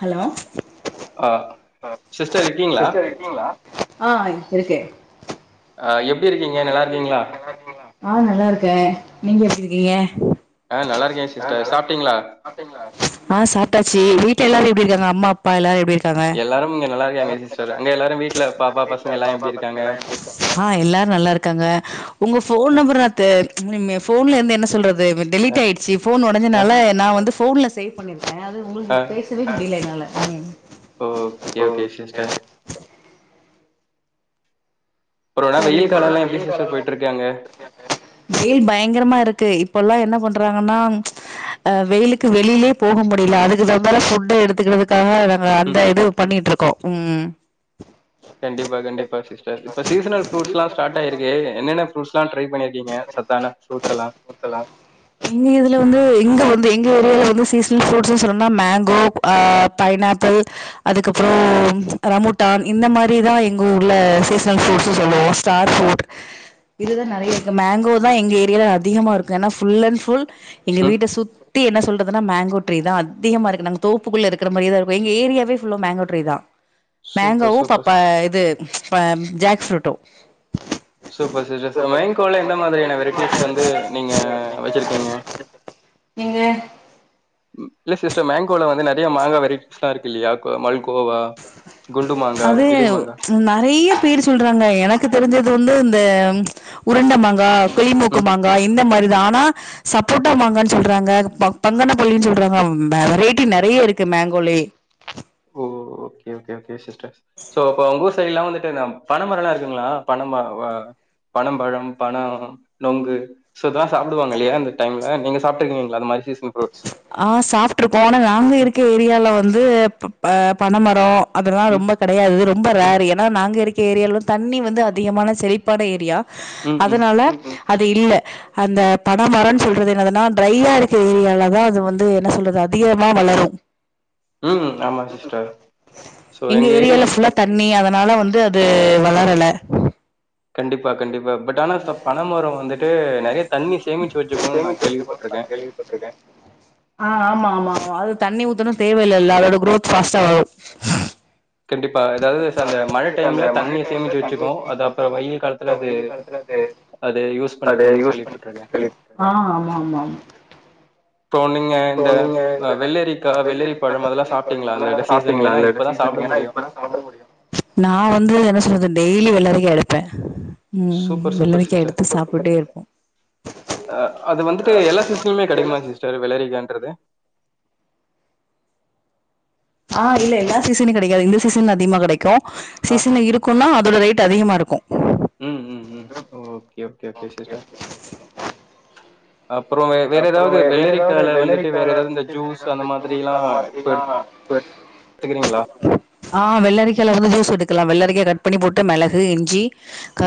Hello ஆ sister இருக்கீங்களா? Sister இருக்கீங்களா ஆ இருக்கே ஆ எப்டிருக்கீங்க நல்லா இருக்கீங்களா ஆ நல்லா இருக்கே நீங்க எப்டிருக்கீங்க ஆ நல்லா இருக்கே அ சாப்ட்டாச்சு வீட்ல எல்லாரும் எப்டி இருக்காங்க அம்மா அப் ப்பா எல்லாரும் எப்டி இருக்காங்க எல்லாரும் இங்க நல்லா இருக்காங்க சிஸ்டர். அங்க எல்லாரும் வீட்ல பாப்பா, பசங்க எல்லாம் எப்டி இருக்காங்க? ஆ எல்லாரு நல்லா இருக்காங்க உங்க ஃபோன் அ நம்பர்ல அத்து நீங்க ஃபோன்ல இருந்து என்ன சொல்றது அ டெலீட் ஆயிச்சு ஃபோன் அ ஒடஞ்சனால நா வந்து ஃபோன்ல சேவ் பண்ணிருக்க அது உங்களுக்கு போய் இப்பவே முடில என்னால ம் ஓ ஓக்கே ஓகே சிஸ்டர் அப்புறம் [unintelligible] ஆனா வெயில் காலம்லாம் எப்டி சிஸ்டர் போயிட்டுருக்கு அங்க? வெயில் பயங்கரமா இருக்கு இப்ப எல்லாம் என்ன பண்றாங்கன்னா அ வெயிலுக்கு வெளிலே போக முடியல அதுக்கு வந்தால ஃபுட்ட எடுத்துக்கிறதுக்காக நாங்க அந்த ம். இதுவு பண்ணியிட்ருக்கோ ம் ம் கண்டிப்பா கண்டிப்பா சிஸ்டர் இப்ப சீசனல் ஃப்ரூட்ஸ்லா ஸ்டாட் ட்டா இருக்கு என்னென்ன ஃப்ரூட்ஸ்ல்லா ட்ரை பண்ணிருக்கீங்க சத்தான ஃப்ரூட்ஸ்லா இங்க இதுல வந்து இங்க வந்து எங்க ஏரியால வந்து சீசனல் ஃப்ரூட்ஸ்னு சொல்னோனா மேங்கோ ஆ பைனாப்பிள் அதுக்கப்றோ ரமுட்டான் இந்த மாரிதா எங்க ஊர்ல சீசனல் ஃப்ரூட்ஸ்சு சொல்லுவோம் தார் ஃபுருட் இதுதா நெறய த மேங்கோ தா எங்க ஏரியல அதிகமா இருக்கு ஏனா ஃபுல் அண்ட் ஃபுல் எங்க ம். வீட்ட சு தி என்ன சொல்றதுனா மேங்கோடரீ தா அதிகமா இருக்கு நாங்க தோப்புக்குள்ள இருக்கிற மாரியே தா இருக்கு எங்க ஏரியாவே ஃபுல்லா மேங்கோ ட்ரீ தா சூப்பர், மேங்கோவும் சூப்பர் பப்ப சிஸ்டர். இது ஜேக் ஃப்ரூட்டும் சூப்ப சிஸ்ட சர் மேங்கோல எந்த மாதிரியான வெரைட்டிஸ் வந்து நீங்க வச்சிருக்கீங்க நீங்க இல்ல சிஸ்ட மேங்கோல வந்து நெறய மாங்கா வெரைட்டிஸ்லா இருக்கு இல்லையா கோ மல்கோவா குண்டு மாங்கா அது கிளி மாங்கா நெறைய பேர் சொல்றாங்க எனக்கு தெரிஞ்சது வந்து இந்த உருண்ட மாங்கா கிளி ம் மூக்குமாங்க இந்த மாரிதா ஆனா சப்போட்டா மாங்கனு சொல்றாங்க ப பங்கன்ன பல்லின் சொல்றாங்க வெரைட்டி நெறைய இருக்குது மேங்கோலயே ஓ okay okay okay sister so அப்ப வந்து சரி எல்லா வந்துட்டு இந்த பனைமரலா இருக்குங்களா பணமர பனம் பழம் பன நுங்கு சோ இதா சாப்டுவாங்க இல்லயா இந்த டைம்ல நீங்க சாப்ட்ருக்கீங்களா அந்த மாரி சீசன் ஃப்ரூட்ஸ் ஆ சாப்ட்ருக்கோ ஆனா நாங்க ம் இருக்க ஏரியால வந்து பனமரோ அதுலா ம் ரொம்ப கடயாது ரொம்ப ம் ரேர்ரு ஏன்னா நாங்க இருக்க ஏரியாவ்ல வந்து தண்ணி வந்து அதிகமான செழிப்பான ஏரியா ம் அதனால அது இல்ல அந்த பன மரம் சொல்றது என்னதுன்னா ட்ரையா இருக்க ஏரியாவ தா அது வந்து என்ன சொல்றது அதிகமா வளரு ம் ஆமா சிஸ்டர் சோ எங்க ஏரியா ஏரியால ஃபுல்லா தண்ணி அதனால வந்து அது வளரல கண்டிப்பா கண்டிப்பா பட் ஆனா பனமரம் வந்துட்டு நெறைய தண்ணி சேமிச்சு வச்சக்கோன் நா கேள்விப்பட்ருக்க ஆ ஆமா ஆமா அது தண்ணி ஊத்துனோ தேவையில்லல அதோட குரோத் ஃபாஸ்ட்டா வரும் கண்டிப்பா எதாவ்து அந்த மழ டைம்ல தண்ணிய சேமிச்சு வச்சுக்கோ அது அப்றோ வெயில் காலத்துல அது அது யூஸ் அது பண்ணிக்கும்ன்னு யூஸ் கேள்விபட்டுருக்கே பண்ணி ஆ ஆமா ஆமா ஆமா இப்போ நீங்க சோ இந்த நீங்க அ இந்த வெள்ளரிக்கா, வெள்ளரி வெள்ளரிக்கா பழம் அதெல்லாம் வெள்ளரி பழம் சாப்பிட்டீங்களா? எல்லா அந்த சீசன் சாப்ட்டீங்களா ஏன்னா அந்த இது இப்பதான் சாப்பிட சீசனு ஏன்னா முடியும். இப்பதா நா வந்து என்ன சொல்றது டெய்லி வெள்ளரிக்கா எடுப்ப ம் ம் ம் வெள்ளரிக்கா எடுத்து சாப்ட்டுட்டே இருப்போ ஆ அது வந்துட்டு எல்லா சீசன்லுமே கடைக்குமா சிஸ்டர் வெள்ளரிக்கான்றது ஆ இல்ல எல்லா சீசன்ல கெடைக்காது இந்த சீசன்ல அதிகமா கெடைக் கா ஆ. சீசன்ல இருக்குன்னா அதோட ரேட் அதிகமா இருக்கும் ம் ம் ம் ஓகே ஓகே ஓகே சிஸ்டர். அப்பறோ வேற எதாவ்து வெள்ளரிக்கால வந்துட்டு வேற எதாவ்து இந்த ஜூஸ் அந்த மாரி எல்லா இப்ப இப்ப கேக்குதுங்ளா ஆ வெள்ளரிக்காய்ல வந்து ஜூஸ் எடுக்கலா வெள்ளரிக்காய கட் பண்ணி போட்டு மெளகு இஞ்சி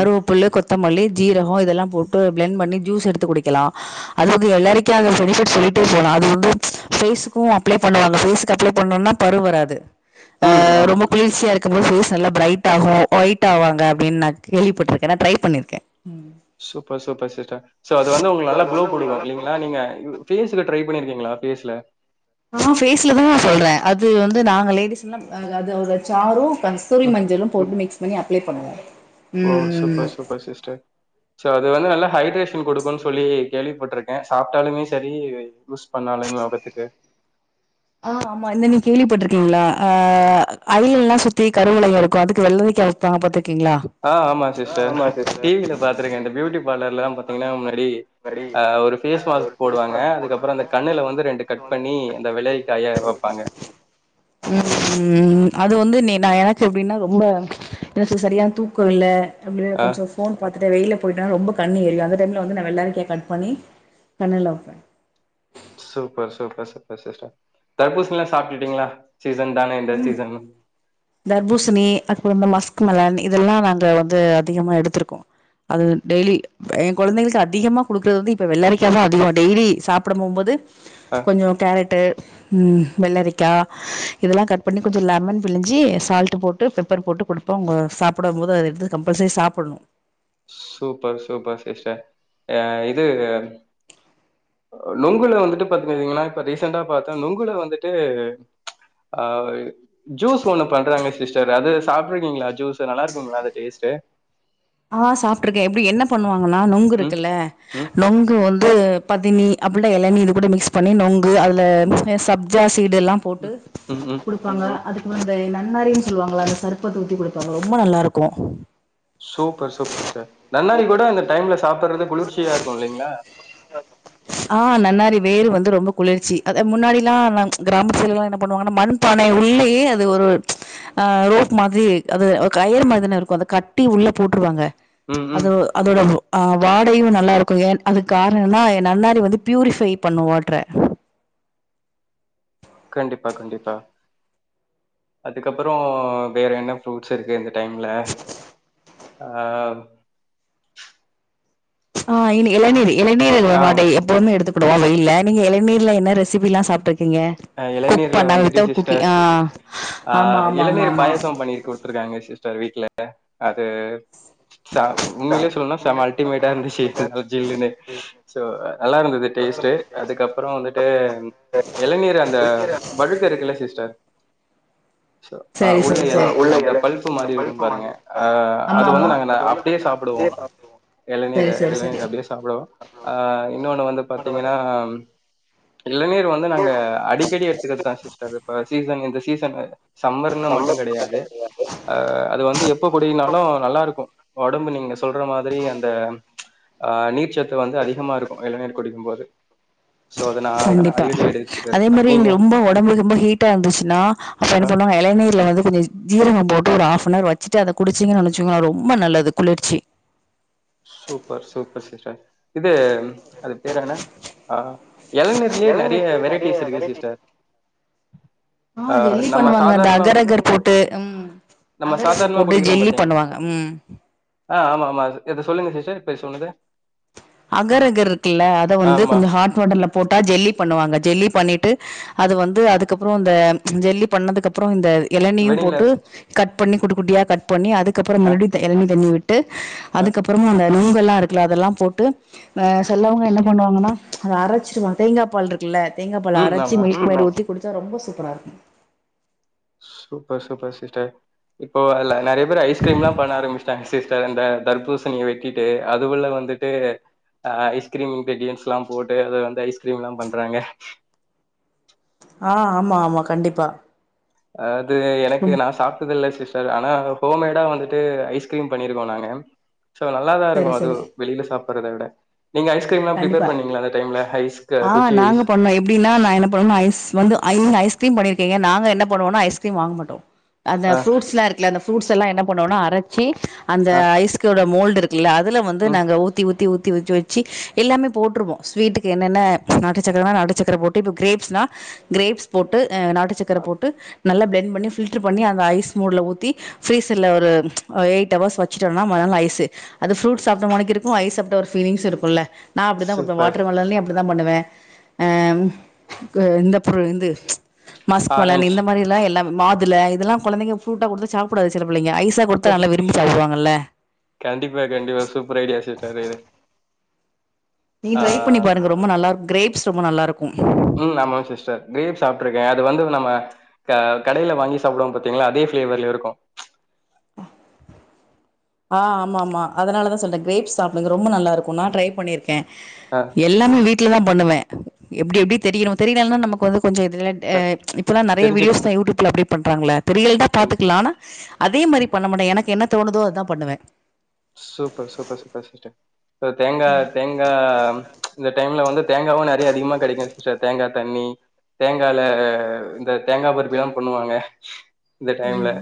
ம், கொத்தமல்லி ஜீரகம் இதெல்லாம் போட்டு பிளண்ட் பண்ணி ஜூஸ் எடுத்து குடிக்கலா அதாவ்து வெள்ளரிக்காய்ல பெனிஃபிட் சொல்லிட்டே போலாம் அது வந்து ஃபேஸ்க்கு அப்ளே பண்ணுவாங்க ஃபேஸ்க்கு அப்ளே பண்ணுன்னா பரு வராது ஆ ம். ஆமா. ரொம்ப குளிர்ச்சியா இருக் க்கும் போது ஃபேஸ் நல்ல பிரைட் ஆகு ஒயிட் ஆவாங்க அப்டின்னு நா கேள்விப்பட்டிருக்கே நா ட்ரை பண்ணிருக்கே ம் சூப்பர் சூப்பர் சிஸ்டர் சோ அது வந்து உங்களுக்கு நல்லா குளோ குடுக்கு இல்லலைங்ளா நீங்க யூ ஃபேஸ்ல ட்ரை பண்ணிருக்கீங்ளா ஃபேஸ்ல ஆ ஃபேஸ்ல தா நா சொல்ற அது வந்து நாங்க லேடிஸ் எல்லாம் அதுவோட சாரும் கஸ்தூரி ம். மஞ்சளும் போட்டு மிக்ஸ் பண்ணி அப்ளே பண்ணுவோம் ஓ ம் சூப்பர் ம் சூப்பர் சிஸ்டர் சோ அது வந்து நல்லா ஹைட்ரேஷன் குடுக்குன்னு சொல்லி கேள்விப்பட்டுருக்கே சாப்ட்டாலுமே சரி யூஸ் பண்ணாலுமே மொகத்துக்கு ஆ ஆமா நீங்க கேள்விப்பட்டிருக்கீங்ளா அ அய்லல்லா சுத்தி கருவளையும் இருக்கும் அதுக்கு வெள்ளரிக்கா வச் தாங்க பாத்துருக்கீங்ளா ஆ ஆமா சிஸ்டர் டி வில பாத்திருக்க இந்த பியூட்டி பார்லர்லல்லா பாத்தீங்கன்னா முன்னாடி அ ஒரு ஃபேஸ் மாஸ்க் போடுவாங்க அதுக்கப்புறோ அந்த கண்ணுல வந்து ரெண்டு கட் பண்ணி அந்த வெள்ளரிக்காய வப்பாங்க ம் ம் அது வந்து நீ நா எனக்கு எப்டின்னா ரொம்ப எனக்கு சரியா தூக்கோ இல்ல அப்டியே ஆ கொஞ்சம் ஃபோன் பாத்துட்டு வெயில்ல போயிட்டா ரொம்ப கண்ணு ஏறியும் அந்த டைம்ல வந்து வெள்ளரிக்காய் கட் பண்ணி கண்ணுல வெப்ப சூப்பர் சூப்பர் சூப்பர் சிஸ்டர் தர்பூசணில்லா சாப்ட்டுட்டீங்ளா சீசன் தாங்க இந்த சீசன் தர்பூசணி அப்புறம் இந்த மஸ்க்கு மெலன் இதெல்லா நாங்க வந்து அதிகமா எடுத்துருக்கோ அது டெய்லி எங் கொழந்தைகளுக்கு அதிகமா குடுக்குறது வந்து இப்ப வெள்ளரிக்காதா அதிகமா டெய்லி சாப்ட போகும்போது ஆ. கொஞ்சோ கேரட்டு ம் வெள்ளரிக்கா இதெல்லா கட் பண்ணி கொஞ்சொ லெமன் பிழிஞ்சி சால்ட் போட்டு பெப்பர் போட்டு குடுப்போ அவங்க சாப்புடும் போது அது எடுத்து கம்பல்சரி சாப்புடணு சூப்பர் சூப்பர் சிஸ்டர் யா இது நுங்குல வந்துட்டு பாத்தீங்கன்னா இப்ப ரீசெண்ட்டா பாத்த நுங்குல வந்துட்டு அ ஜூஸ் ஒன்னு பண்றாங்க சிஸ்டர் அது சாப்ட்டுருக்கீங்ளா ஜூஸூ நல்லா இருக்குங்ளா அந்த டேஸ்ட்டு ஆ சாப்ட்டுருக்கே எப்டி என்ன பண்ணுவாங்கன்னா நொங்கு ம் இருக்குல்ல ம் நொங்கு வந் து பதனி அப்பில்லனா எளநி இது கூட மிக்ஸ் பண்ணி நொங்கு அதுல அ சப்ஜா சீடெல்லா போட்டு ம் ம் ம் குடுப் ப்பாங்க அதுக்கு முன் அந்த நன்னாரின் சொல்வாங்ள அந்த சர்ப்பத்து ஊத்தி குடுப்பாங்க ரொம்ப நல்லா இருக்கும் சூப்பர் சூப்பர் சிஸ்டர் நன்னாரி கூட இந்த டைம்ல சாப்பறது குளிர்ச்சியா இருக்கும் இல்லைங்ளா ஆ நன்னாரி வேரு வந்து ரொம்ப குளிர்ச்சி அது அ முன்னாடியெல்லா கிராமத்துல எல்லா என்ன பண்ணுவாங்கன்னா மருந் தன உள்ளேயே அது ஒரு ஆ ரோப் மாதிரி அது கயிறு மாதிரி தானே இருக்கும் அத கட்டி உள்ள போட்ருவாங்க ம் ம் அது அதோட வ அ வாடையு நல்லாருக்கு ஏன் அதுக்கு காரணோ எனா நன்னாரி வந்து ப்யூரிஃபை பண்ணு வாட்ர கண்டிப்பா கண்டிப்பா அதுக்கப்புறோ வேற என்ன ஃப்ரூட்ஸ் இருக்கு இந்த டைம்ல ஆம் ஆ இன் எளநீர் எளநீர் [unintelligible] ஆ ஒன்னு எடுத்துக்குடவோ வெயில்ல நீங்க எளநீர்ல என்ன ரெசிபிலா சாப்ட்டு நீங்க குக் இளநீர்ல பண்ணா வந்துட்டு வித் அவுட் குக் சிஸ்டர் ஆ ஆமா ஆமா ஆமா ஆமா ட்ருக்காங்க சிஸ்டர் வீட்ல அது சா உண்மையிலே சொல்னுனா செம அல்டிமேட்டா இருந்துச்சு அ ஜில்லுனு சோ அ நல்லா இருந்தது டேஸ்ட்டு அதுக்கப்புறோ வந்துட்டு எளநீர் அந்த வழுக்க இருக்குல்ல சிஸ்டர் சோ அ சரி உள்ள சரி இல சரி அந்த பல்ப்பு மாரி இருக்கும் பாருங்க அ ஆமா அது ஆமா அத அப்டியே சாப்புடுவோ எளநீர் எளநீர் அப்டியே சாப்டுவோ ஆ இன்னொன்னு வந்து பாத்தீங்கன்னா இளநீர் வந்து நாங்க அடிக்கடி எடுத்துக்குறதா சிஸ்டர் இப்ப சீசன் இந்த சீசன் சம்மர்ல்ல மட்டு கெடையாது அ அது வந்து எப்ப குடிக்குனாலு நல்லா இருக்கு ஒடம்பு நீங்க சொல்ற மாதிரி அந்த அஆ நீர்ச்சத்து வந்து அதிகமா இருக்கு எளநீர் குடிக்கும்போது சோ அத நா கண்டிப்பா அடிக்கடி எடு அதே மாரி இந்து ரொம்ப ஒடம்பு ரொம்ப ஹீட்டா இருந்துச்சுன்னா அப்ப ஆ என்ன பண்ணுவோ எளநீர்ல வந்து கொஞ்ச ஜீரக போட்டு ஒரு ஆஃப்னவர் வெச்சுட்டு அத குடிச்சிங்கன்னு நெனைச்சுங்க அது ரொம்ப நல்லது குளிர்ச்சி சூப்பர் சூப்பர் சிஸ்டர் இது அது பேர் என்ன ஆ எளநீர்லேயே நெறைய வெரைட்டிஸ் இருக்கு சிஸ்டர் ஆ ஜெல்லி நம்ம பண்ணுவாங்க அந்த சாதாரணமா அகர் அகர் போட்டு ம் நம்ம அகர் அகர் சாதாரணமா போட்டு குடிக்கிறோம் ஜெல்லி பாத்தீங்க பண்ணுவாங்க ம் ஆ ஆமா ஆமா இத சொல்லுங்க சிஸ்டர் இப்ப இ சொல்லுங்க அகர் அகர் இருக்குல்ல அத வந்து கொஞ்சொ ஹாட் வாட்டர்ல போட்டா ஜெல்லி பண்ணுவாங்க ஜெல்லி பண்ணிட்டு அது வந்து அதுக்கப்புறோ இந்த ஜெல்லி பண்ணதுக்கு அப்புறோ இந்த எளநியு வெண்ணிலா போட்டு கட் பண்ணி குட்டி குட்டியா கட் பண்ணி அதுக்கப்புறோ ஆ மறுபடி எளநி தண்ணி விட் ட்டு ஆ அதுக்கப்புறமு அந்த நுங்கெல்லா இருக்குல அதெல்லா போட்டு ஆ செலவங்க என்ன பண்ணுவாங்கன்னா அத அரச்சிருவாங் தேங்கா பால்ருக் குல்ல தேங்காபால் ம் அரச்சு ஆமா மில்க்மெய்ட் உத்தி குடிச்சா ரொம்ப சூப்பரா இருக்கு சூப்பர் சூப்பர் சிஸ்டர் இப்போ அதுல நெறைய பேர் ஐஸ்கிரீம்ல்லா பண்ண ஆரம்பிச்டாங்க சிஸ் அ இந்த தர்பூசணிய வெட்டிட்டு அது உள்ள வந்துட்டு அ ஐஸ்கிரீம் இ்ன்கீரீடியன்ஸ் எல்லா போட்டு அத வந்து ஐஸ்கிரீம்லா பண்றாங்க ஆ ஆமா ஆமா கண்டிப்பா அது எனக்கு ம் நா சாப்ட்டதில்ல சிஸ் சோ ஆனா ஹோம்மேடா வந்துட்டு ஐஸ்கிரீம் பண்ணிருவே நானு சோ நல்லாதா சரி இருக்கு அது சரி வெளில சாப்றதவிட நீங்க ஐஸ்கிரீம்லா பிரிப்பர் கண்டிப்பா. பண்ணுவிங்கலா அந்த டைம்ல ஐஸ் ஆ குச்சி நாங்க பண்ணோ இப் அப்டினா நா என்ன பண்ணுவேனா ஐஸ் வந்து ஐ ஐஸ்கிரீம் பண்ணிருக்கீங்க நாங்க என்ன பண்ணுவோனா ஐஸ்கிரீம் வாங்க மாட்டோ அந்த அ ஃப்ரூட்ஸ்லா இருக்குல்ல அந்த ஃப்ரூட்ஸ் எல்லா என்ன பண்ணுவோனா அரச்சி அந்த அ ஐஸ்கோட மோல்டு இருக் இல்ல அதுல வந்து ம் நாங்க ஊத்தி ஊத்தி ஊத்தி ஊத்தி வெச்சு எல்லாமே போட்ருவோ ஸ்வீட்டுக்கு னென்ன நாட்டு சக்கரன்னா நாட்டு சக்கர போட்டு இப்ப கிரேப்ஸ்னா கிரேப்ஸ் போட்டு அ நாட்டு சக் அ க்கரபோட்டு நல்லா பிளண்ட் பண்ணி ஃபில்டர் பண்ணி அந்த ஐஸ் மோட்ல ஊத்தி ஃபீரிஸல்ல ஒரு எயிட் ஹவர்ஸ் வெச்சுட்டோனா மறுநாள் ஐஸு அது ஃப்ரூட் சாப்ட்ட மானிக்கு இருக்கு ஐஸ் சாப்ட்ட ஒரு ஃபீலிங்ஸ் இருக்குல்ல நா அப்டி தா கொடுப்பே சூப்பர் வாட்டர்மெலன்லையு அப்டிதா பண்ணுவே ஆ கு இந்த பொருள் இது மஸ்க்மெலன் ஆரஞ்ச் இந்த மாதிரில் எல்லா மாதுள இதெல்லா கொழந்தைங்க ஃப்ரூட்டா கொடுத்தா சாப்டாது சில பிள்ளைங்க ஐஸா கொடுத்தா நல்லா விரும்பி சாப்டுவாங்கல்ல கண்டிப்பா கண்டிப்பா சூப்பர் ஐடியா சிஸ்டர் இது நீங்க ட்ரை பண்ணி ஆ பாருங்க ரொம்ப நல்லா இருக் கிரேப்ஸ் ரொம்ப நல்லா இருக்கு ம் ஆமாம் சிஸ்டர் கிரேப் சாப்ட்டுருக்கே அது வந்து நம்ம ந்த கடையில வாங்கி சாப்புடுவோ பாத்தீங்களா அதே ஃப்ளேவர்ல இருக்கு ஆ ஆமா ஆமா அதனாலதா சொல்றே கிரேப்ஸ் சாப்டுங்க ரொம்ப நல்லா இருக்கு நான் ட்ரை பண்ணிருக்கே ஆ எ எல்லாமே வீட்ல தா பண்ணுவே எப்டி எப்டி தெரியணுமோ தெரினல்னா நமக்கு வந்து கொஞ்சோ எதுலயாட் ஏ க இப்பெல்லா நிறைய தெரிஞ்சுக்கலா வீடியோஸ் தா யூடியூப்ல அப்டேட் பண்றாங்கள தெரியல்டா கண் பாத்துக்கலா ஆனா அதே மாரி பண்ண மாட்டே எனக்கு என்னோதோனுதோ அதா பண்ணுவே சூப்பர் சூப்பர் சூப்பர் சிஸ்டர் தேங்கா தேங்கா இந்த டைம்ல வந்து தேங்காவு நெறயா அதிகமா கெடைக்கு சிஸ்டர் தேங்கா தண்ணி தேங்கால இந்த தேங்கா பர்பிஎல்லா பண்ணுவாங்க இந்த டைம்ல ம்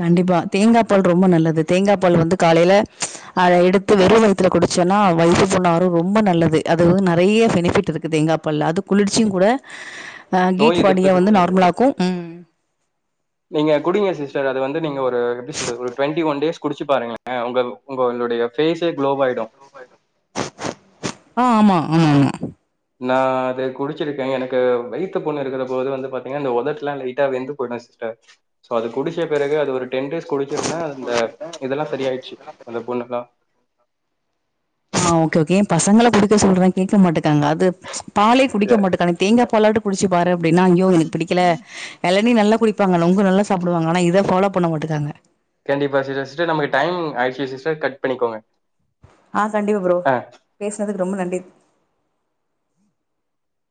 கண்டிப்பா தேங்கா பால் ரொம்ப நல்லது தேங்கா பால் வந்து காலைல அத எடுத்து வெறு வயித்துல குடிச்சோன்னா வயித்து புண்ணு ஆறு ரொம்ப நல்லது அது வந்து நெறய பெனிஃபிட் இருக்குது எங்க அப் பல் அது குளிர்ச்சியு கூட அ நோய் கீட் பாடியா எதிர்ப்பு சக்தி வந்து இருக்கு நார்மலாக்கு ம் நீங்க குடிங்க சிஸ்டர் அது வந்து நீங்க ஒரு எப்டி சொல்றது ஒரு டுவெண்டி ஒன் டேஸ் குடிச்சு பாருங்களே உங்க உங்களுடைய ஃபேஸே குளோவ் ஆயிடு ஆ ஆமா ம்ம் நா அது குடிச்சிருக்கே எனக்கு வய்த்து புண்ணு இருக்கிற போது வந்து பாத்தீங்கன்னா இந்த உதட்லா லைட்டா வெந்து போயிடு ஸ் சோ அது குடிச்ச பிறகு அது ஒரு டென் டேஸ் குடிச்சிருந்தே அந்த இதெல்லாம சரி ஆயிடுச்சு அந்த புண்ணுலா ஆ ஓகே ஓகே எ பசங்கள குடிக்க சொல்றே கேட்க மாட்டுக்காங்க அது பாலே இத குடிக்க மாட்டுக்கானங் தேங்கா பாலாட்டு குடிச்சி பாரு அப்டின்னா ஐயோ எனக் பிடிக்கல எழனி நல்லா குடிப்பாங்க நொங்கு நல்லா சாப்பிடுவாங்க ஆனா இத ஃபாலோ பண்ண மாட்டுகாங்க கண்டிப்பா சிஸ்டர் சிஸ்டர் நமக்கு டைம் ஆயிடுச்சு சிஸ்டர் கட் பண்ணிக்கோங்க ஆ கண்டிப்பா ப்ரோ ஆ. பேசுனதுக்கு ரொம்ப நன்றி